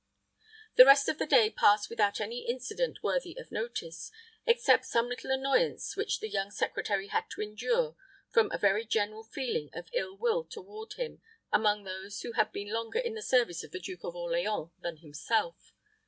The rest of the day passed without any incident worthy of notice, except some little annoyance which the young secretary had to endure from a very general feeling of ill will toward him among those who had been longer in the service of the Duke of Orleans than himself.